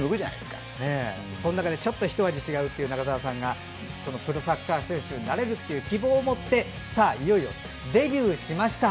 その中で、ちょっとひと味違う中澤さんがプロサッカー選手になれるという希望を持ってさあ、いよいよデビューしました。